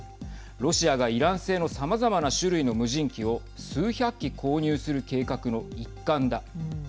ロシアがイラン製のさまざまな種類の無人機を数百機購入する計画の一環だ。